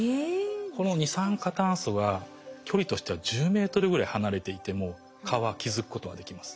この二酸化炭素は距離としては１０ｍぐらい離れていても蚊は気付くことができます。